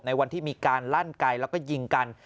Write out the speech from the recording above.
วันที่มีการลั่นไกลแล้วก็ยิงกัน